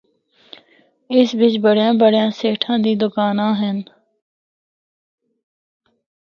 اس بچ بڑیاں بڑیاں سیٹھاں دی دوکاناں ہن۔